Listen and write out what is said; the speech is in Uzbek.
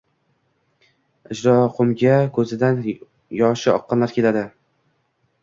— Ijroqo‘mga ko‘zidan yoshi oqqanlar keladi.